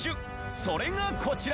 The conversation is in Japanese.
それがこちら。